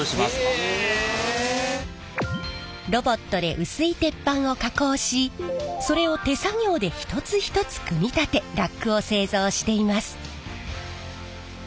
ロボットで薄い鉄板を加工しそれを手作業で一つ一つ組み立てラックを製造しています。